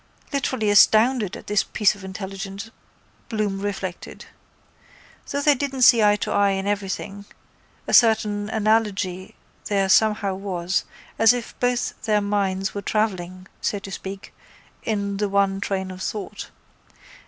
Literally astounded at this piece of intelligence Bloom reflected. Though they didn't see eye to eye in everything a certain analogy there somehow was as if both their minds were travelling, so to speak, in the one train of thought.